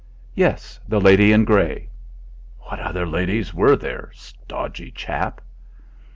"Yes, the lady in grey." What other ladies were there! Stodgy chap!